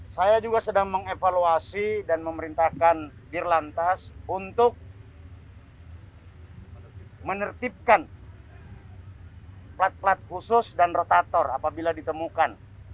saya juga sedang mengevaluasi dan memerintahkan dirlantas untuk menertibkan plat plat khusus dan rotator apabila ditemukan